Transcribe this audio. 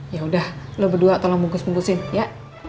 yaudah lu berdua tolong bungkus bungkusin ya